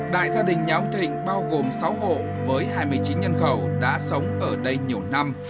đại gia đình nhà ông thịnh bao gồm sáu hộ với hai mươi chín nhân khẩu đã sống ở đây nhiều năm